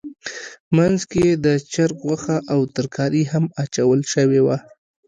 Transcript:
منځ کې یې د چرګ غوښه او ترکاري هم اچول شوې وه.